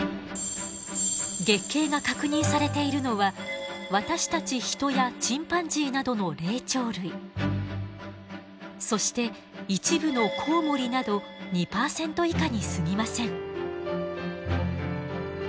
月経が確認されているのは私たちヒトやチンパンジーなどの霊長類そして一部のコウモリなど２％以下にすぎません。